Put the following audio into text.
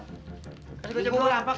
kasih di gocap gue